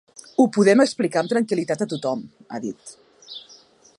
Ho podem explicar amb tranquil·litat a tothom, ha dit.